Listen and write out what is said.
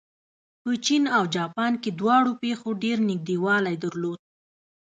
په چین او جاپان کې دواړو پېښو ډېر نږدېوالی درلود.